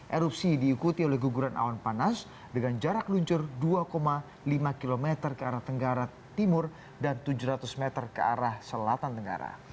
erupsi diikuti oleh guguran awan panas dengan jarak luncur dua lima km ke arah tenggara timur dan tujuh ratus meter ke arah selatan tenggara